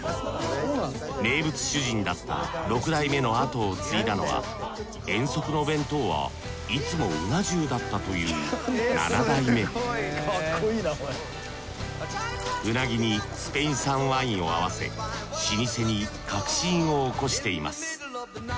名物主人だった六代目の跡を継いだのは遠足の弁当はいつもうな重だったという七代目うなぎにスペイン産ワインを合わせ老舗に革新を起こしています。